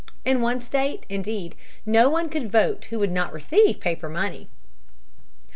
In one state, indeed, no one could vote who would not receive paper money.